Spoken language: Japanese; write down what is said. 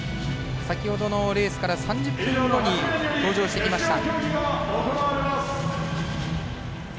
先ほどのレースから３０分後に登場してきました。